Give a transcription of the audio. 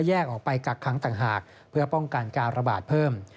แยกออกไปกักค้างต่างหากเพื่อป้องกันการระบาดเพิ่ม